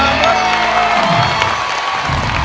รับแล้ว๒๐๐๐๐บาท